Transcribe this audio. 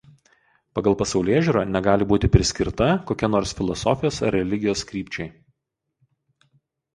Pagal pasaulėžiūrą negali būti priskirta kokia nors filosofijos ar religijos krypčiai.